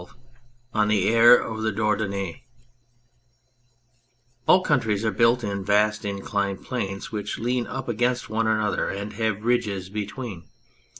76 ON THE AIR OF THE DORDOGNE ALL countries are built in vast inclined planes which lean up against one another and have ridges between.